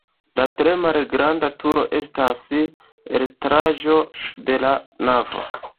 La tre malgranda turo estas elstaraĵo de la navo.